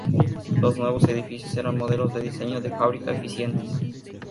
Los nuevos edificios eran modelos de diseño de fábrica eficientes.